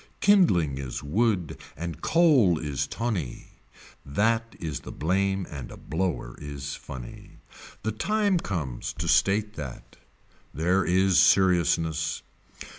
Kindling is wood and coal is tonny. That is the blame and a blower is funny. The time comes to state that. There is seriousness.